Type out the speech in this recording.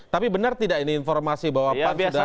tapi benar tidak ini informasi bahwa pan sudah